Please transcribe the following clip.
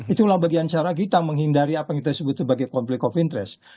itulah bagian cara kita menghindari apa yang kita sebut sebagai konflik of interest